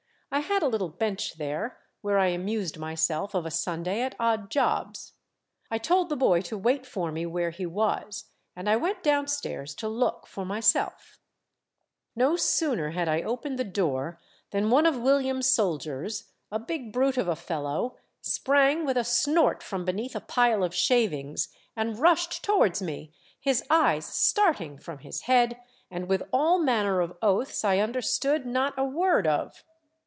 I had a little bench there, where I amused myself of a Sunday at odd jobs. I told 6 82 Monday Tales, the boy to wait for me where he was, and I went downstairs to look for myself " No sooner had I opened the door than one of William's soldiers, a big brute of a fellow, sprang with a snort from beneath a pile of shavings, and rushed towards me, his eyes starting from his head, and with all manner of oaths I understood not a word of!